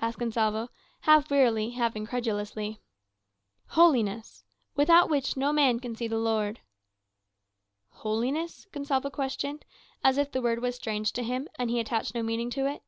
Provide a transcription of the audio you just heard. asked Gonsalvo, half wearily, half incredulously. "'Holiness; without which no man can see the Lord.'" "Holiness?" Gonsalvo questioned, as if the word was strange to him, and he attached no meaning to it.